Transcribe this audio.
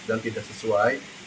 dan tidak sesuai